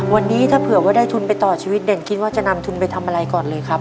วันนี้ถ้าเผื่อว่าได้ทุนไปต่อชีวิตเด่นคิดว่าจะนำทุนไปทำอะไรก่อนเลยครับ